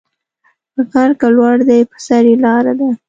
غر که لوړ دی پر سر یې لار ده